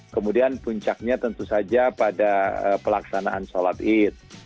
kemudian puncaknya tentu saja pada pelaksanaan sholat id